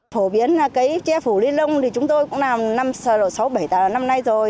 phổ biến là cấy che phủ liên lông thì chúng tôi cũng làm sáu bảy năm nay rồi